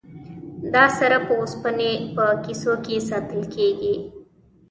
دا سره په اوسپنې په کیسو کې ساتل کیږي.